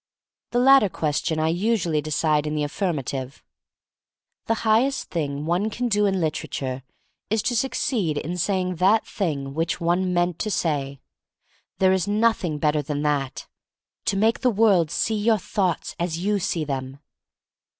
The latter question I usually decide in the affirmative. The highest thing one can do in liter ature is to succeed in saying that thing which one meant to say. There is nothing better than that — to make the world see your thoughts as you see them.